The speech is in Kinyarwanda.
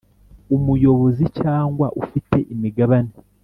umuyobozi cyangwa ufite imigabane